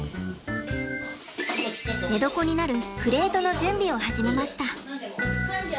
寝床になるクレートの準備を始めました。